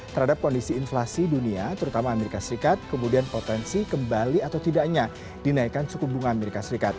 terhadap kondisi inflasi dunia terutama as kemudian potensi kembali atau tidaknya dinaikan suku bunga as